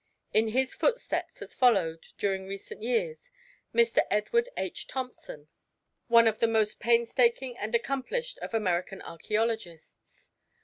In his footsteps has followed, during recent years, Mr. Edward H. Thompson, one of the most painstaking and accomplished of American archæologists.